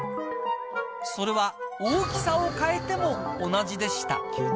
それは大きさを変えても同じでした。